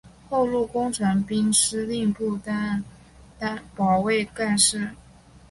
后入工程兵司令部任保卫干事。